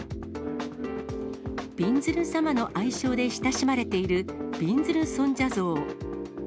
びんずる様の愛称で親しまれているびんずる尊者像。